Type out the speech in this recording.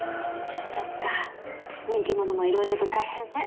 「そっか人気者もいろいろと大変ね」